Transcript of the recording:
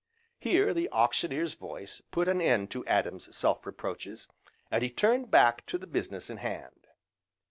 Here, the Auctioneer's voice put an end to Adam's self reproaches, and he turned back to the business in hand.